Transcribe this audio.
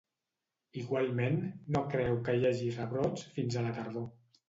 Igualment, no creu que hi hagi rebrots fins a la tardor.